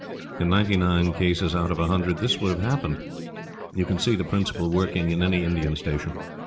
In ninety nine cases out of a hundred this would have happened. You can see the principle working in any Indian Station.